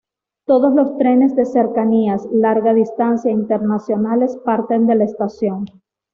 Todos los trenes de cercanías, larga distancia e internacionales parten de la estación.